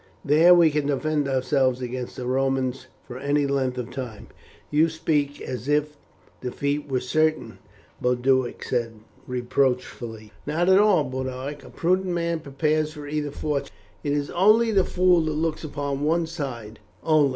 There we can defend ourselves against the Romans for any length of time." "You speak as if defeat were certain," Boduoc said reproachfully. "Not at all, Boduoc; a prudent man prepares for either fortune, it is only the fool that looks upon one side only.